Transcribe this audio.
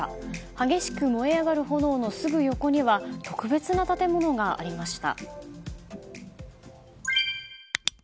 激しく燃え上がる炎のすぐ横には特別な建物がありました。